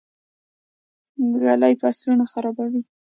ږلۍ فصلونه خرابوي.